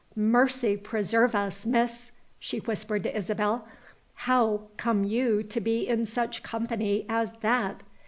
"Mercy preserve us, Miss!" she whispered to Isabel, "how come you to be in such company as _that?